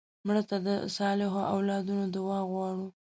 مړه ته د صالحو اولادونو دعا غواړو